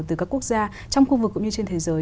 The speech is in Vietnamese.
từ các quốc gia trong khu vực cũng như trên thế giới